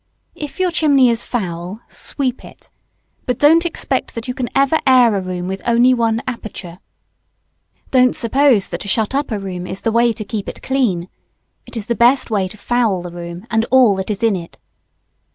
If your chimney is foul, sweep it; but don't expect that you can ever air a room with only one aperture; don't suppose that to shut up a room is the way to keep it clean. It is the best way to foul the room and all that is in it.